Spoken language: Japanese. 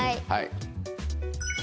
はい。